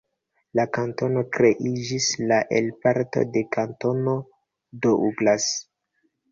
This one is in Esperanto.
La kantono kreiĝis la el parto de Kantono Douglas.